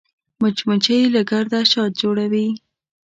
مچمچۍ له ګرده شات جوړوي